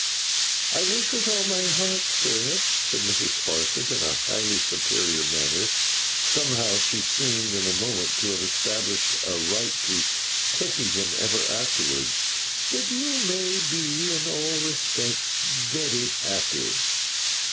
'I wish with all my heart, sir,' said Mrs. Sparsit, in a highly superior manner; somehow she seemed, in a moment, to have established a right to pity him ever afterwards; 'that you may be in all respects very happy.